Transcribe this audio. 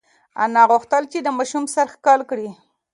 انا غوښتل چې د ماشوم سر ښکل کړي.